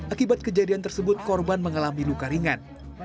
akibat kejadian tersebut korban mengalami luka ringan